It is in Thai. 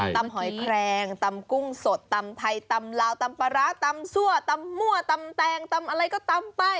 หอยแครงตำกุ้งสดตำไทยตำลาวตำปลาร้าตำซั่วตำมั่วตำแตงตำอะไรก็ตำไป